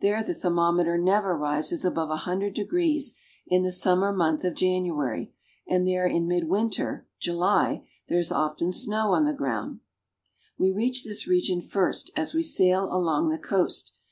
There the thermometer never rises above 100° in the summer month of January, and there in midwinter (July) there is often snow on the ground. "There are vast pastures." We reach this region first as we sail along the coast.